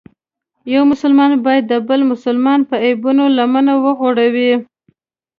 یو مسلمان باید د بل مسلمان په عیبونو لمنه وغوړوي.